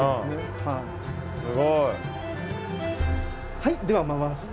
はいでは回して。